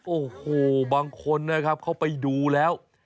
โอ้โหบางคนนะครับเขาไปดูแล้ว